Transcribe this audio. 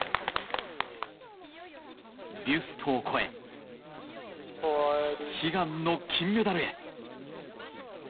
ビュストを超え悲願の金メダルへ。